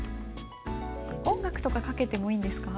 音楽とかかけてもいいんですか？